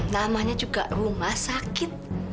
namanya juga rumah sakit